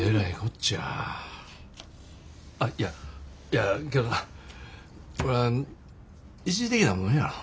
やけどこら一時的なもんやろ。